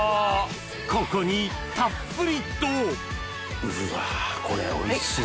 ここにたっぷりとうわこれおいしそう。